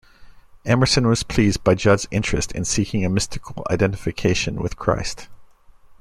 Emerson was pleased by Judd's interest in seeking a mystical identification with Christ.